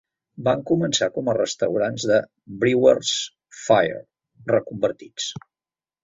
Van començar com a restaurants de Brewers Fayre reconvertits.